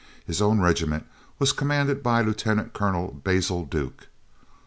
His own regiment was commanded by Lieutenant Colonel Basil Duke.